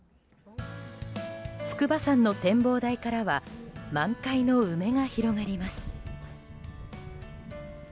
筑波山の展望台からは満開の梅が広がります。